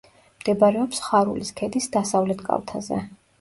მდებარეობს ხარულის ქედის დასავლეთ კალთაზე.